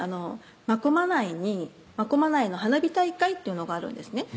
真駒内に真駒内の花火大会っていうのがあるんですね